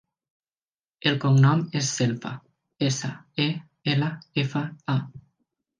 El cognom és Selfa: essa, e, ela, efa, a.